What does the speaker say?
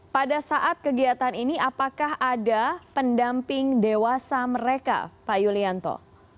pada saat kegiatan ini apakah ada pendamping dewasa mereka pak yulianto